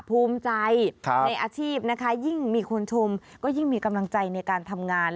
ภูมิใจในอาชีพนะคะยิ่งมีคนชมก็ยิ่งมีกำลังใจในการทำงาน